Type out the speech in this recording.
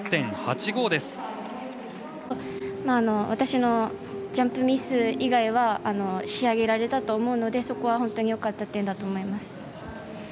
私のジャンプミス以外は仕上げられたと思うのでそこは本当によかった点だと思います。